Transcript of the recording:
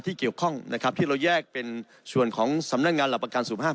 เกี่ยวข้องนะครับที่เราแยกเป็นส่วนของสำนักงานหลักประกันสุขภาพ